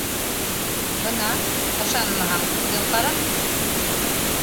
Бына, ышанмаһаң, үҙең ҡара.